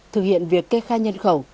thực hiện việc kê khai nhân khẩu